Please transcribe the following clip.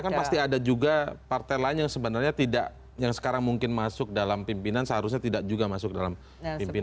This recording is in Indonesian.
karena kan pasti ada juga partai lain yang sebenarnya tidak yang sekarang mungkin masuk dalam pimpinan seharusnya tidak juga masuk dalam pimpinan